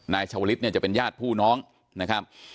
ชาวลิศเนี่ยจะเป็นญาติผู้น้องนะครับ